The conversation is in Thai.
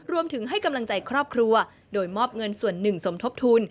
ให้กำลังใจครอบครัวโดยมอบเงินส่วนหนึ่งสมทบทุน